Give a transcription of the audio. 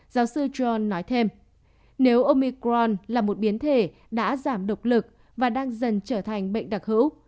giáo sư john nói thêm nếu omicron là một biến thể đã giảm độc lực và đang dần trở thành bệnh đặc hữu